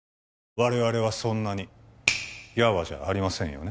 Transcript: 我々はそんなにやわじゃありませんよね